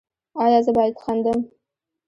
ایا زه باید خندم؟